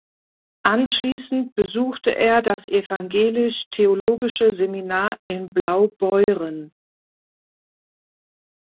Anschließend besuchte er das evangelisch-theologische Seminar in Blaubeuren.